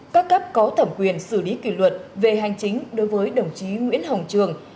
các cấp có thẩm quyền xử lý kỷ luật về hành chính đối với đồng chí nguyễn hồng trường